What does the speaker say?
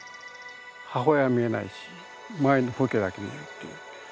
母親は見えないし周りの風景だけ見えるっていう。